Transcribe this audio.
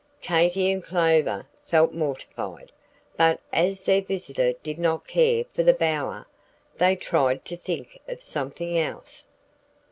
Katy and Clover felt mortified; but as their visitor did not care for the bower, they tried to think of something else.